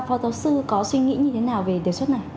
phó giáo sư có suy nghĩ như thế nào về điều suất này